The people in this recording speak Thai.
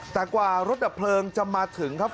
แต่กว่ารถดับเพลิงจะมาถึงครับ